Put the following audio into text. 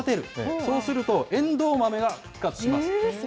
そうすると、えんどう豆が復活します。